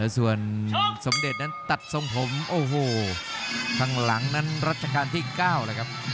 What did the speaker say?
ส่วนสมเด็จนั้นตัดส่งผมทางหลังนั้นรัชกาลที่๙นะครับ